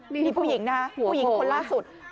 นี่ผู้หญิงนะผู้หญิงคนล่าสุด